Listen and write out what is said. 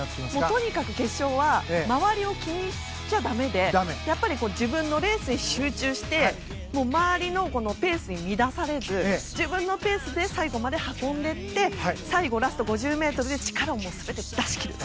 とにかく決勝は周りを気にしちゃ駄目でやっぱり自分のレースに集中して周りのペースに乱されず自分のペースで最後まで運んでいって最後、ラスト５０ｍで力を全て出し切る。